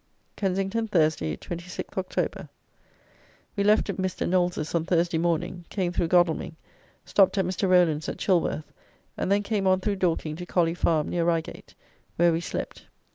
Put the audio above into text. Kensington, Thursday, 26th Oct. We left Mr. Knowles's on Thursday morning, came through Godalming, stopped at Mr. Rowland's at Chilworth, and then came on through Dorking to Colley Farm, near Reigate, where we slept.